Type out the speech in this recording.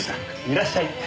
いらっしゃい。